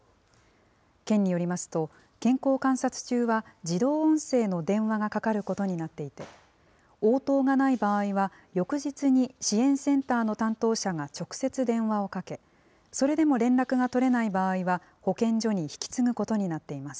県によりますと、健康観察中は自動音声の電話がかかることになっていて、応答がない場合は翌日に支援センターの担当者が直接電話をかけ、それでも連絡が取れない場合は、保健所に引き継ぐことになっています。